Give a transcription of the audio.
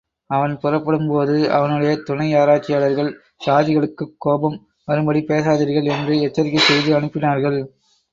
அவன் புறப்படும்போது, அவனுடைய துணையாராய்ச்சியாளர்கள் சாதிகளுக்குக் கோபம் வரும்படி பேசாதீர்கள் என்று எச்சரிக்கை செய்து அனுப்பினார்கள்.